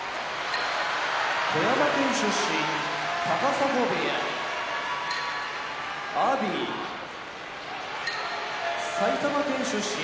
富山県出身高砂部屋阿炎埼玉県出身